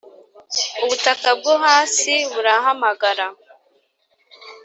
ubutaka bwo hasi burahamagara